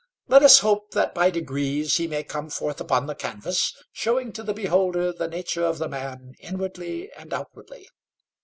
Let us hope that by degrees he may come forth upon the canvas, showing to the beholder the nature of the man inwardly and outwardly.